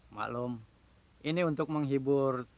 maklum ini untuk menghibur